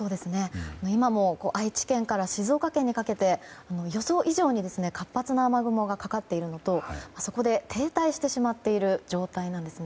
今も愛知県から静岡県にかけて予想以上に活発な雨雲がかかっているのとそこで停滞してしまっている状態なんです。